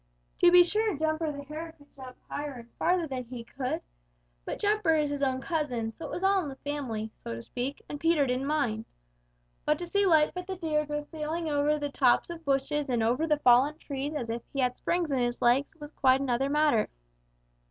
To be sure Jumper the Hare could jump higher and farther than he could, but Jumper is his own cousin, so it was all in the family, so to speak, and Peter didn't mind. But to see Lightfoot the Deer go sailing over the tops of the bushes and over the fallen trees as if he had springs in his legs was quite another matter.